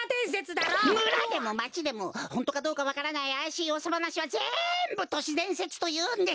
むらでもまちでもホントかどうかわからないあやしいうわさばなしはぜんぶ都市伝説というんです。